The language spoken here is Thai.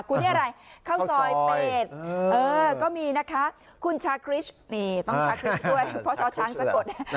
คุณที่อะไรเข้าซอยเป็ดเออก็มีนะคะคุณชาคริชนี่ต้องชาคริชด้วย